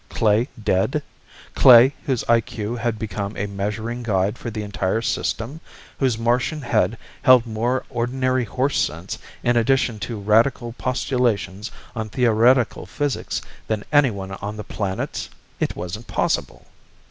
Klae dead? Klae whose IQ had become a measuring guide for the entire system, whose Martian head held more ordinary horse sense, in addition to radical postulations on theoretical physics, than anyone on the planets. It wasn't possible.